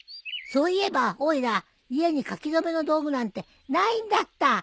そういえばおいら家に書き初めの道具なんてないんだった。